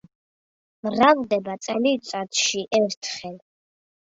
მრავლდება წელიწადში ერთხელ.